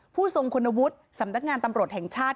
ทรงคุณวุฒิสำนักงานตำรวจแห่งชาติ